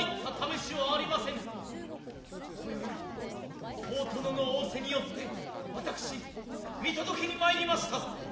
今宵大殿の仰せに依つて私見届けに参りました。